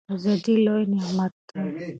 ازادي لوی نعمت دی.